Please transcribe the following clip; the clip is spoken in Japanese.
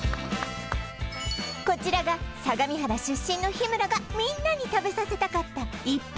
こちらが相模原出身の日村がみんなに食べさせたかった壱発